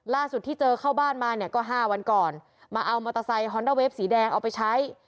ที่เจอเข้าบ้านมาเนี่ยก็ห้าวันก่อนมาเอามอเตอร์ไซค์ฮอนด้าเวฟสีแดงเอาไปใช้